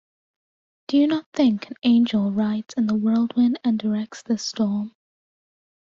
Do you not think an angel rides in the whirlwind and directs this storm.